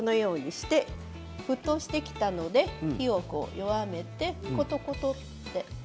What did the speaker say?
沸騰してきたので火を弱めてことことって。